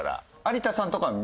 有田さんとかは？